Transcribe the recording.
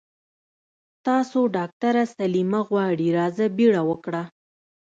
تاسو ډاکټره سليمه غواړي راځه بيړه وکړه.